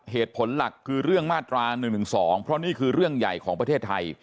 เหตุผลหลักคือเรื่องมาตรา๑๑๒เพราะนี่คือเรื่องใหญ่ของประเทศไทย